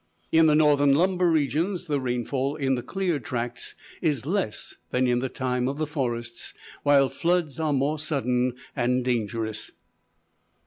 In the northern lumber regions, the rainfall in the cleared tracts is less than in the time of the forests, while floods are more sudden and dangerous.